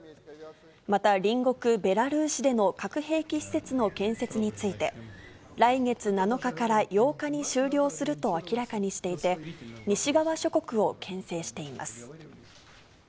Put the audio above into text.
また、隣国、ベラルーシでの核兵器施設の建設について、来月７日から８日に終了すると明らかにしていて、西側諸国をけん制しています。